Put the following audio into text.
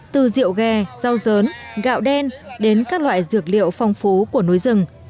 từ rượu ghe rau dớn gạo đen đến các loại dược liệu phong phú của núi rừng